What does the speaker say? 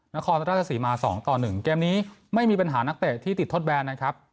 นครราชสีมา๒ต่อ๑เกมนี้ไม่มีปัญหานักเตะที่ติดทดแบนนะครับ